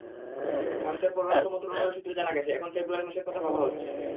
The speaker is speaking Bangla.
ভারতের পররাষ্ট্র মন্ত্রণালয় সূত্রে জানা গেছে, এখন ফেব্রুয়ারি মাসের কথা ভাবা হচ্ছে।